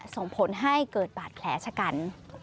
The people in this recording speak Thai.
ส่งผลให้เกิดบาดแผลชะกัน